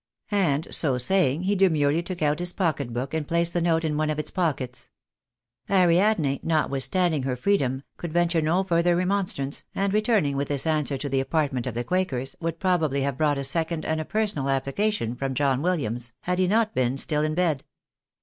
And so saying, he demurely took out his pocket book, and placed the note in one of its pockets. Ariadne, notwithstanding her freedom, could venture no further remonstrance, and returning "with this answer to the apartment of the quakers, would probably have brought a second and a personal application from John Williams, had he not been still in bed.